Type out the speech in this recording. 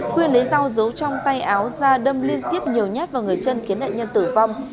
khuyên lấy rau dấu trong tay áo ra đâm liên tiếp nhiều nhát vào người trân khiến nạn nhân tử vong